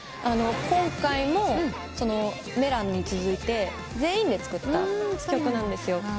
今回も『Ｍｅｌａ！』に続いて全員で作った曲なんですよ。